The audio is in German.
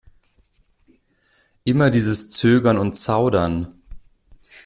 Immer dieses Zögern und Zaudern!